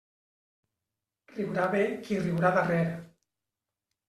Riurà bé qui riurà darrer.